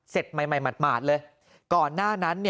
ใหม่หมาดเลยก่อนหน้านั้น